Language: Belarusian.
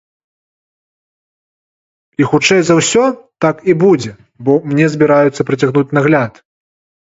І, хутчэй за ўсё, так і будзе, бо мне збіраюцца працягнуць нагляд.